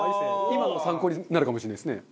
今のも参考になるかもしれないですね。